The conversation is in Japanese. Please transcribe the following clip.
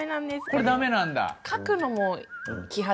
これ駄目なんだ？